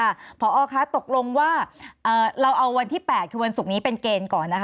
ค่ะพอคะตกลงว่าเราเอาวันที่๘คือวันศุกร์นี้เป็นเกณฑ์ก่อนนะคะ